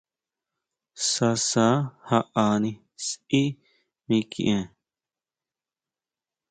Sasa jaʼani sʼí mikʼien.